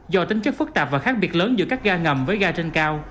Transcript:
do tính chất phức tạp và khác biệt lớn giữa các ga ngầm với ga trên cao